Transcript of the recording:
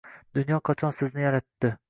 Dunyo qachon sizni yaratdi.